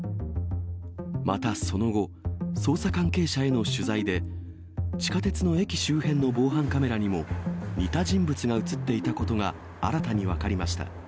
またその後、捜査関係者への取材で、地下鉄の駅周辺の防犯カメラにも、似た人物が写っていたことが新たに分かりました。